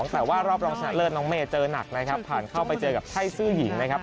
แต่ว่ารอบรองชนะเลิศน้องเมย์เจอหนักนะครับผ่านเข้าไปเจอกับไทยซื่อหญิงนะครับ